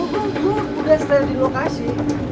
gue udah setel di lokasi